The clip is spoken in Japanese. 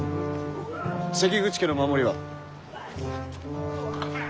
関口家の守りは？